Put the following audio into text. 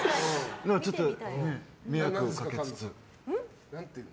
ちょっと迷惑をかけつつ。